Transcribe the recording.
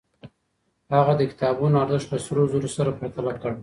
هغه د کتابونو ارزښت له سرو زرو سره پرتله کړ.